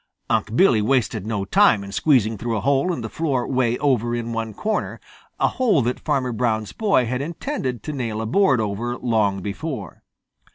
Unc' Billy wasted no time in squeezing through a hole in the floor way over in one corner, a hole that Farmer Brown's boy had intended to nail a board over long before.